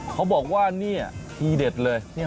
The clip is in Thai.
เขาบอกว่านี่ทีเด็ดเลย